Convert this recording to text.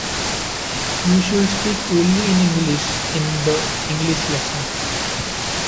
You should speak only in English in the English lesson.